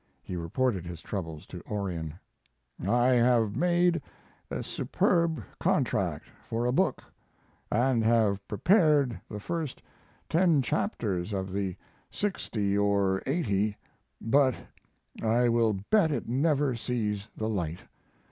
He reported his troubles to Orion: I have made a superb contract for a book, and have prepared the first ten chapters of the sixty or eighty, but I will bet it never sees the light.